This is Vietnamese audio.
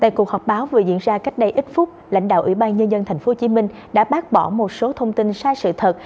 tại cuộc họp báo vừa diễn ra cách đây ít phút lãnh đạo ủy ban nhân dân tp hcm đã bác bỏ một số thông tin sai sự thật